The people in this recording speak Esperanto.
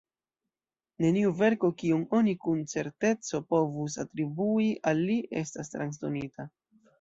Neniu verko, kiun oni kun certeco povus atribui al li, estas transdonita.